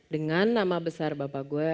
dengan nama besar bapaknya